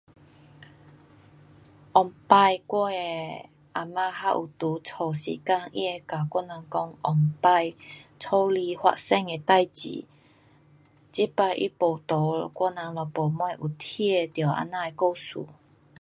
以前我的阿嫲还有在家时间，她会讲我人讲以前家里发生的事情。这次她没在，我人也没什么有听到这样的故事。